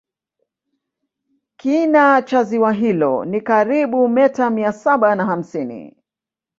Kina cha ziwa hilo ni karibu meta mia saba na hamsini